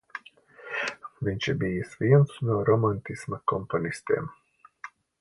Viņš ir bijis viens no romantisma komponistiem.